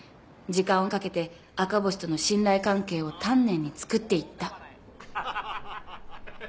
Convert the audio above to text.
時間をかけて赤星との信頼関係を丹念につくっていった。